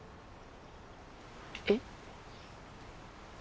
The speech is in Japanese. えっ。